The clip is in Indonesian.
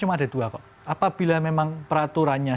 cuma ada dua kok apabila memang peraturannya